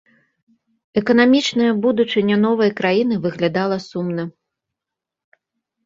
Эканамічная будучыня новай краіны выглядала сумна.